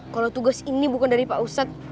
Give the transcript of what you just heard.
kalau tugas ini bukan dari pak ustadz